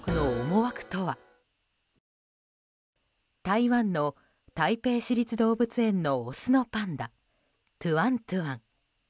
台湾の台北市立動物園のオスのパンダトゥアントゥアン。